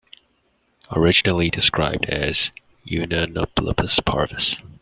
Originally described as "Yunnanolepis parvus".